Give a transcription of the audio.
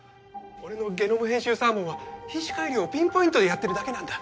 俺のゲノム編集サーモンは品種改良をピンポイントでやってるだけなんだ